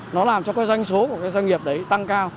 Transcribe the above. nó làm cho doanh số của doanh nghiệp đấy tăng cao